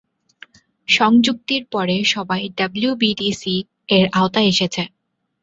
সংযুক্তির পরে, সবাই W B T সি-র আওতায় এসেছে।